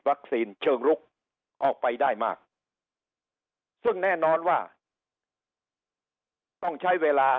เชิงลุกออกไปได้มากซึ่งแน่นอนว่าต้องใช้เวลา